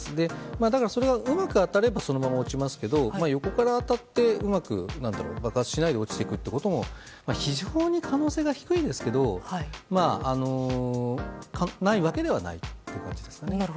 だから、うまく当たればそのまま落ちますが横から当たってうまく爆発しないで落ちることも非常に可能性は低いですけどないわけではない感じですね。